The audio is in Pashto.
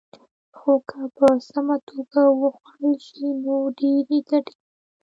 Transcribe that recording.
خو که په سمه توګه وخوړل شي، نو ډېرې ګټې لري.